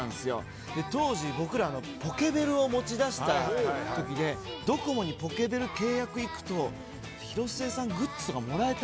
当時僕らポケベルを持ちだしたときでドコモにポケベル契約行くと広末さんグッズとかもらえたんすよ。